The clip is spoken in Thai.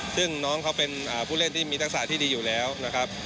ซึ่งน้องเขาเป็นผู้เล่นที่มีทักษะที่ดีอยู่แล้วนะครับ